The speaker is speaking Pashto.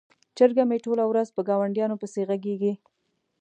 چرګه مې ټوله ورځ په ګاونډیانو پسې غږیږي.